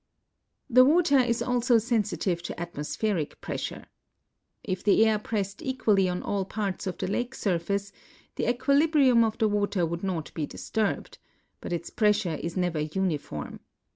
The water is also sensitive to atmospheric pressure. If the air prest equally on all parts of the lake surface the equilibrium of the water would not be disturbed ; but its pressure is never uniform.